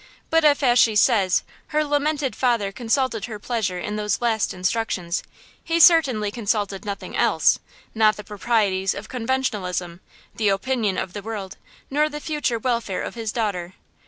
But if, as she says, her lamented father consulted her pleasure in those last instructions, he certainly consulted nothing else–not the proprieties of conventionalism, the opinion of the world, nor the future welfare of his daughter.